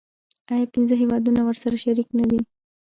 آیا پنځه هیوادونه ورسره شریک نه دي؟